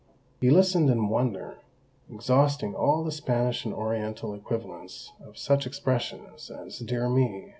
He listened in wonder, exhausting all the Spanish and Oriental equivalents of such expressions as "Dear me!"